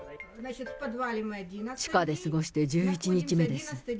地下で過ごして１１日目です。